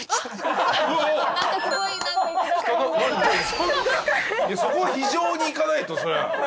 そこは非情にいかないとそれは。